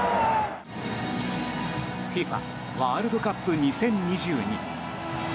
ＦＩＦＡワールドカップ２０２２。